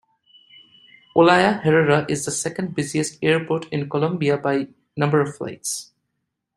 Olaya Herrera is the second busiest airport in Colombia by number of flights.